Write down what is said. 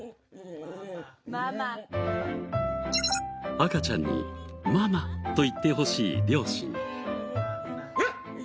赤ちゃんにママと言ってほしい両親。